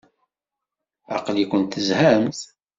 Aql-ikent tezhamt?